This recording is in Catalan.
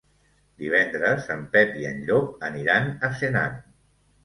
Divendres en Pep i en Llop aniran a Senan.